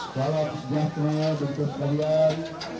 salam sejahtera bagi kalian